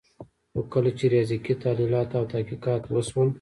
خو کله چي ریاضیکي تحلیلات او تحقیقات وسول